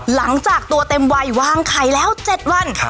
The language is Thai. หลังจากตัวเต็มวัยวางไข่แล้ว๗วัน